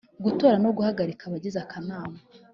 Gutora no guhagarika abagize Akanama